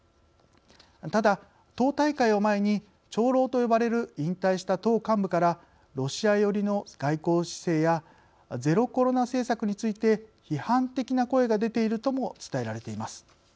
ただ、党大会を前に長老と呼ばれる引退した党幹部からロシア寄りの外交姿勢やゼロコロナ政策について批判的な声が出ているとも伝えられています。